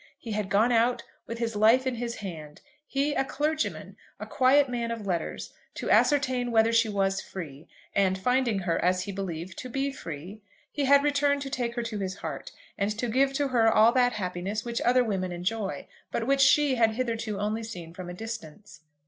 He had gone out, with his life in his hand, he, a clergyman, a quiet man of letters, to ascertain whether she was free; and finding her, as he believed, to be free, he had returned to take her to his heart, and to give her all that happiness which other women enjoy, but which she had hitherto only seen from a distance.